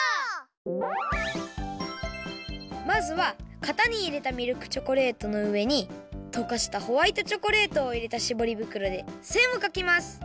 まずはかたにいれたミルクチョコレートのうえにとかしたホワイトチョコレートをいれたしぼり袋でせんをかきます。